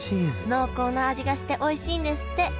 濃厚な味がしておいしいんですって